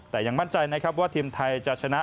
แต่ยังมั่นใจนะครับว่าทีมไทยจะชนะ